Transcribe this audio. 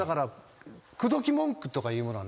口説き文句とかいうものは。